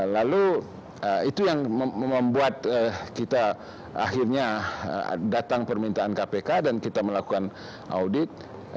lalu itu yang membuat kita akhirnya datang permintaan kpk dan kita melakukan audit